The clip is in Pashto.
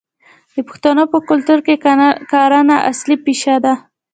د پښتنو په کلتور کې کرنه اصلي پیشه ده.